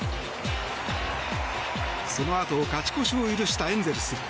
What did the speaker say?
そのあと、勝ち越しを許したエンゼルス。